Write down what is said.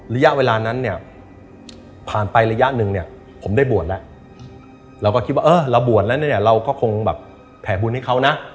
เลย่ะเวลานั้นผ่านไประยะนึงผมได้บวนแล้วเราก็คิดว่าอ้อเราบวนแล้วเราก็คงแผนบุญให้เขานะ